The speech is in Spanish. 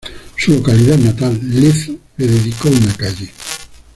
Su localidad natal, Lezo, le dedicó una calle.